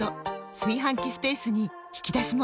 炊飯器スペースに引き出しも！